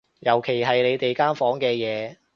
尤其係你哋間房嘅嘢